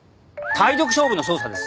体力勝負の捜査です。